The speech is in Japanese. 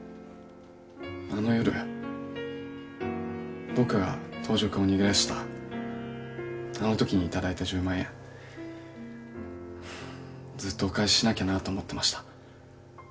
あの夜僕が当直を逃げ出したあのときにいただいた１０万円ずっとお返ししなきゃなあと思ってました